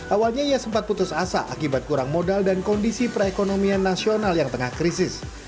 awalnya ia sempat putus asa akibat kurang modal dan kondisi perekonomian nasional yang tengah krisis